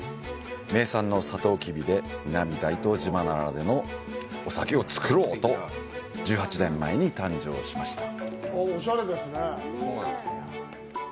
「名産のサトウキビで南大東島ならではのお酒を造ろう！」と、１８年前に誕生しました。